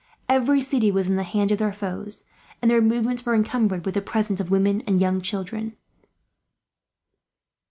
Every city was in the hands of their foes, and their movements were encumbered with the presence of women and young children.